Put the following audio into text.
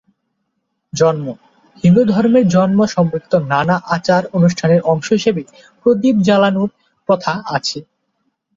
জন্ম: হিন্দু ধর্মের জন্ম সম্পর্কিত নানা আচার-অনুষ্ঠানের অংশ হিসেবে প্রদীপ জ্বালানোর প্রথা আছে।